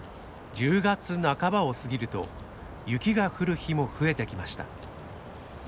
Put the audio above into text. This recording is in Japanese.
１０月半ばを過ぎると雪が降る日も増えてきました。